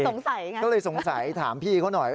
สงสัยไงก็เลยสงสัยถามพี่เขาหน่อย